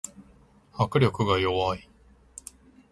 握力が弱い